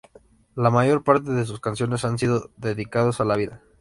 La mayor parte de sus canciones han sido dedicados a la vida.